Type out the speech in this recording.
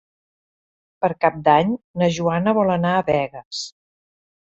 Per Cap d'Any na Joana vol anar a Begues.